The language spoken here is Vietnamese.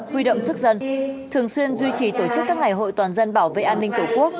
huy động sức dân thường xuyên duy trì tổ chức các ngày hội toàn dân bảo vệ an ninh tổ quốc